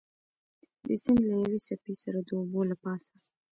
د سیند له یوې څپې سره د اوبو له پاسه.